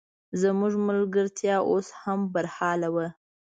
زموږ ملګرتیا اوس هم برحاله وه.